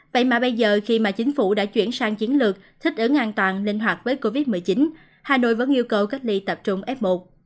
vậy mà bây giờ khi mà chính phủ đã chuyển sang chiến lược thích ứng an toàn linh hoạt với covid một mươi chín hà nội vẫn yêu cầu cách ly tập trung f một